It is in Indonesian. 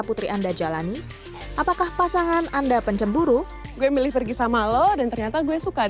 putri anda jalani apakah pasangan anda pencemburu gue milih pergi sama lo dan ternyata gue suka